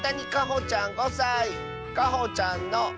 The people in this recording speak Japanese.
かほちゃんの。